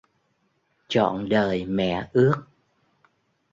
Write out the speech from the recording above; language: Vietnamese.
Trọn đời mẹ ước